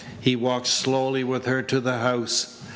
He walked slowly with her to the house.